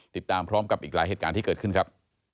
ติดตามกับอีกหลายเหตุการณ์ที่เคยขึ้นครับ